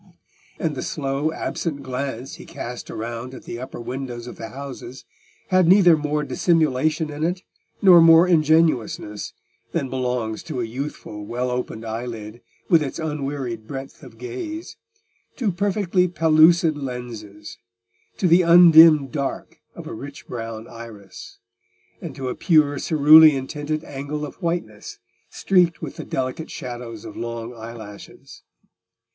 And the slow absent glance he cast around at the upper windows of the houses had neither more dissimulation in it, nor more ingenuousness, than belongs to a youthful well opened eyelid with its unwearied breadth of gaze; to perfectly pellucid lenses; to the undimmed dark of a rich brown iris; and to a pure cerulean tinted angle of whiteness streaked with the delicate shadows of long eyelashes.